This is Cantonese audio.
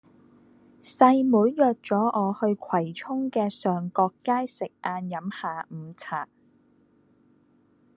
細妹約左我去葵涌嘅上角街食晏飲下午茶